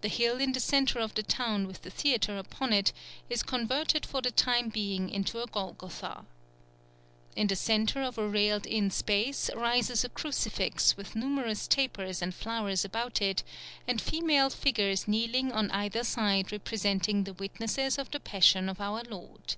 The hill in the centre of the town with the theatre upon it is converted for the time being into a Golgotha. In the centre of a railed in space rises a crucifix with numerous tapers and flowers about it and female figures kneeling on either side representing the witnesses of the Passion of our Lord.